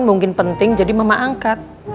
mungkin penting jadi mama angkat